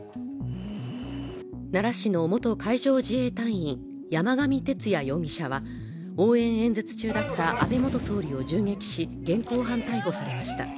奈良市の元海上自衛隊員山上徹也容疑者は応援演説中だった安倍元総理を銃撃し、現行犯逮捕されました。